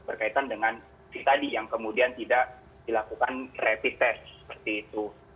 berkaitan dengan itu tadi yang kemudian tidak dilakukan rapid test seperti itu